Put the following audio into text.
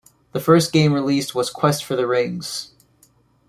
The first game released was Quest for the Rings!